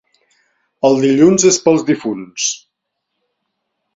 El dilluns és pels difunts.